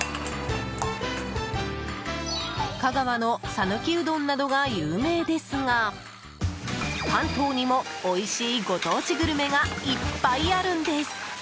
香川の讃岐うどんなどが有名ですが関東にもおいしいご当地グルメがいっぱいあるんです。